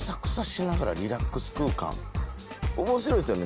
面白いっすよね。